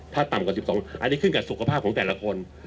ถ้าต่ำกว่า๑๒อันนี้ขึ้นกับสุขภาพของแต่ละคน